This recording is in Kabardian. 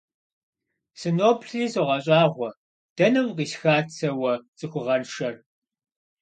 Сыноплъри согъэщӀагъуэ: дэнэ укъисхат сэ уэ цӀыхугъэншэр?